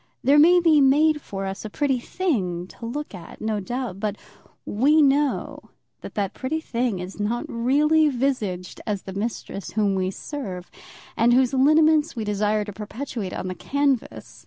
There may be made for us a pretty thing to look at, no doubt; but we know that that pretty thing is not really visaged as the mistress whom we serve, and whose lineaments we desire to perpetuate on the canvas.